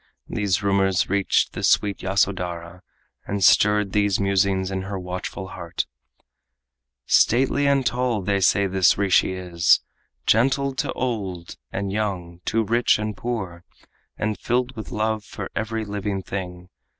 These rumors reached the sweet Yasodhara, And stirred these musings in her watchful heart: "Stately and tall they say this rishi is, Gentle to old and young, to rich and poor, And filled with love for every living thing.